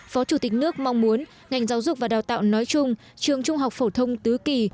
phó chủ tịch nước mong muốn ngành giáo dục và đào tạo nói chung trường trung học phổ thông tứ kỳ